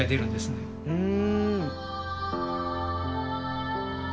うん。